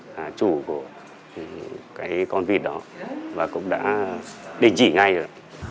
là chủ của cái con vịt đó và cũng đã đình chỉ ngay rồi